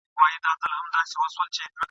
جهاني ما خو قاصد ور استولی !.